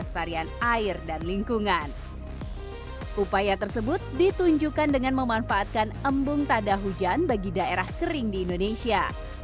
tadah hujan bagi daerah kering di indonesia